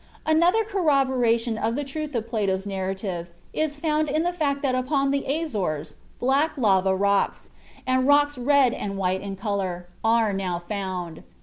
Another corroboration of the truth of Plato's narrative is found in the fact that upon the Azores black lava rocks, and rocks red and white in color, are now found.